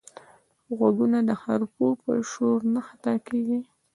غوږونه د حرفو په شور نه خطا کېږي